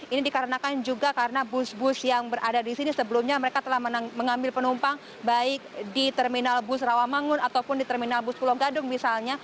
ini dikarenakan juga karena bus bus yang berada di sini sebelumnya mereka telah mengambil penumpang baik di terminal bus rawamangun ataupun di terminal bus pulau gadung misalnya